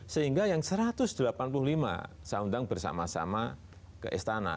sehingga yang satu ratus delapan puluh lima saya undang bersama sama ke istana